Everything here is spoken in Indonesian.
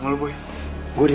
masuk kuliah dulu